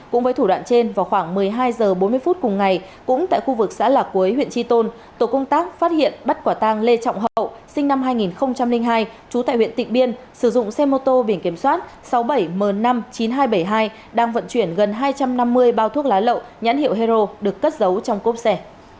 cũng với thủ đoạn trên vào khoảng một mươi hai h bốn mươi phút cùng ngày cũng tại khu vực xã lạc cuối huyện chi tôn tổ công tác phát hiện bắt quả tang lê trọng hậu sinh năm hai nghìn hai trú tại huyện tịnh biên sử dụng xe mô tô biển kiểm soát sáu mươi bảy m năm mươi chín nghìn hai trăm bảy mươi hai đang vận chuyển gần hai trăm năm mươi bao thuốc lá lậu nhãn hiệu hero được cất giấu trong cốp xe